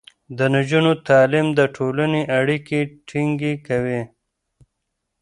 د نجونو تعليم د ټولنې اړيکې ټينګې کوي.